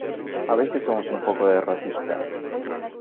A veces somos un poco derrotistas.